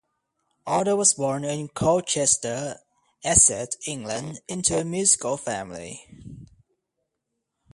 Alder was born in Colchester, Essex, England, into a musical family.